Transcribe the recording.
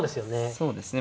そうですね